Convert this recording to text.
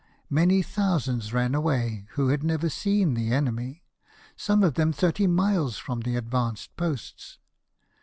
Many thousands ran away who had never seen the enemy ; some of them thirty miles from the advanced posts.